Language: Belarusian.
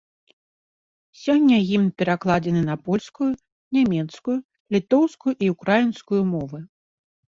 Сёння гімн перакладзены на польскую, нямецкую, літоўскую і ўкраінскую мовы.